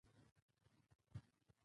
ویل بوه سوم.